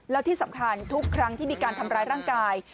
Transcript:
แล้วที่สำคัญทุกครั้งที่มีการทำร้ายร่างกาย